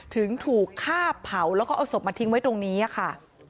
ถึงถูกฆ่าเผาแล้วก็เอาศพมาทิ้งไว้ตรงนี้ค่ะ